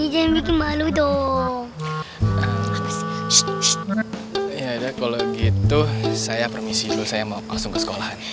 jangan bikin malu dong ya udah kalau gitu saya permisi lu saya mau langsung ke sekolah